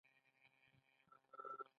د اصلاح شویو تخمونو ویشل کیږي